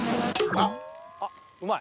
あっうまい！